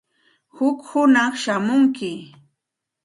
Huk hunaq shamunki.